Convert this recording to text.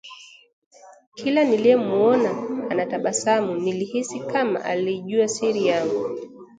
Kila niliyemuona anatabasamu nilihisi kama aliijua siri yangu